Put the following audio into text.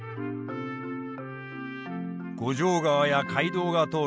五条川や街道が通る